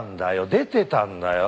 出てたんだよ。